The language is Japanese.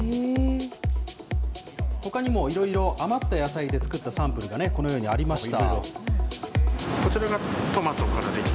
ほかにも、いろいろ余った野菜で作ったサンプルが、このようにありました。